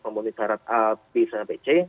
memenuhi syarat a b sampai c